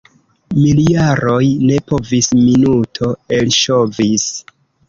Miljaroj ne povis - minuto elŝovis.